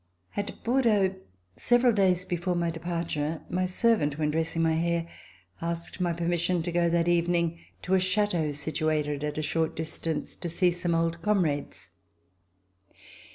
At Bordeaux, several days before my departure, my servant when dressing my hair asked my permission to go that evening to a chateau situated at a short distance, to see some old comrades.